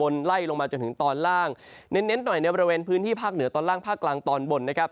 ของประเทศไทยตั้งแต่ตอนบนใล่